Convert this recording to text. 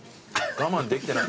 我慢できてない。